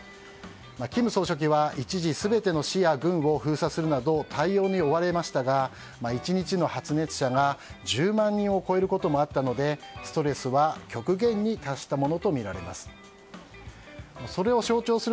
金総書記は一時全ての市や郡を封鎖するなど対応に追われましたが１日の発熱者が１０万人を超えることもあったのでストレスは極限に達したものとみられます。